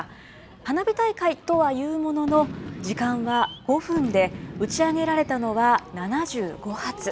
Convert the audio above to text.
花火大会とはいうものの時間は５分で打ち上げられたのは７５発。